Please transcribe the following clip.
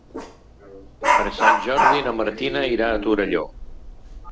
Per Sant Jordi na Martina irà a Torelló.